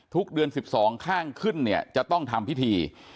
ทุกเดือน๑๒ข้างขึ้นเนี่ยจะต้องทำพิธี